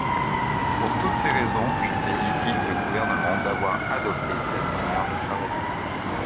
Pour toutes ces raisons, je félicite le Gouvernement d’avoir adopté cette manière de travailler.